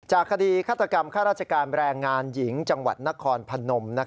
คดีฆาตกรรมข้าราชการแรงงานหญิงจังหวัดนครพนม